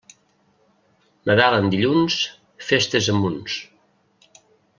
Nadal en dilluns, festes a munts.